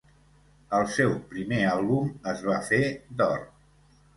El seu primer àlbum es va fer d'or.